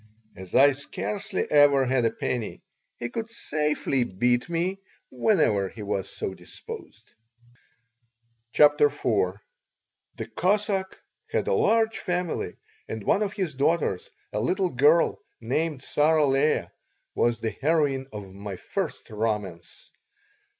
As I scarcely ever had a penny, he could safely beat me whenever he was so disposed CHAPTER IV THE Cossack had a large family and one of his daughters, a little girl, named Sarah Leah, was the heroine of my first romance.